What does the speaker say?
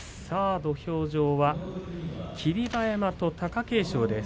土俵上は霧馬山と貴景勝です。